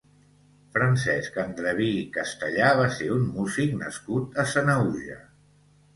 Francesc Andreví i Castellar va ser un músic nascut a Sanaüja.